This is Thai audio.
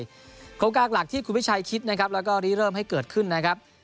โครงการหลักที่คุณวิชัยคิดนะครับแล้วก็รีเริ่มให้เกิดขึ้นนะครับ